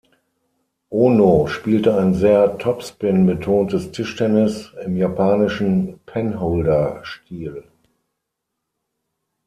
Ono spielte ein sehr topspin-betontes Tischtennis im japanischen Penholder-Stil.